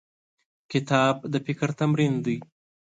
کتاب د فکر تمرین دی.